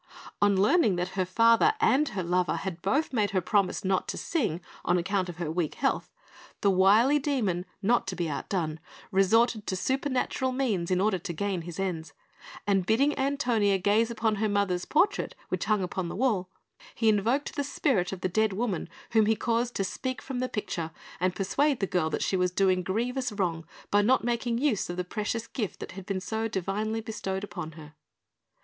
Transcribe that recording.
On learning that her father and lover had both made her promise not to sing on account of her weak health, the wily demon, not to be outdone, resorted to supernatural means in order to gain his ends; and bidding Antonia gaze upon her mother's portrait which hung upon the wall, he invoked the spirit of the dead woman, whom he caused to speak from the picture and persuade the girl that she was doing grievous wrong by not making use of the precious gift that had been so divinely bestowed upon her.